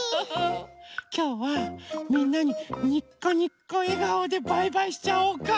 きょうはみんなににこにこえがおでバイバイしちゃおうか。